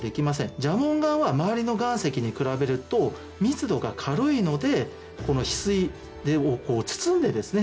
蛇紋岩は周りの岩石に比べると密度が軽いのでこの翡翠を包んでですね